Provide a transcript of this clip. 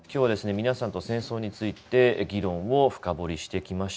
皆さんと戦争について議論を深掘りしてきました。